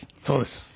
そうです。